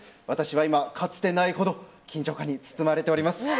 私は今、かつてないほど緊張感に包まれております。